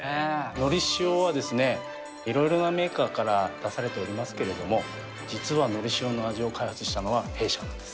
のり塩はですね、いろいろなメーカーから出されておりますけれども、実はのり塩の味を開発したのは、弊社なんです。